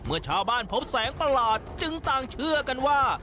เมื่อชาวบ้านพบแสงประหลาดจึงต่างเชื่อกันว่า